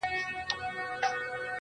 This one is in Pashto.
• هم له وره یې د فقیر سیوری شړلی -